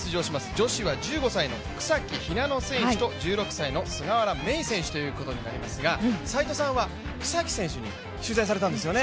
女子は１５歳の草木ひなの選手と１６歳の菅原芽衣選手ということになりますが、斎藤さんは草木さんに取材をされたんですよね。